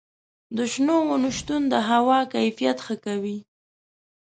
د شنو ونو شتون د هوا کیفیت ښه کوي.